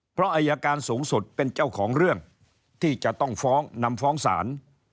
เพราะอายการสูงสุดเป็นเจ้าของเรื่องที่จะต้องฟ้องนำฟ้องศาล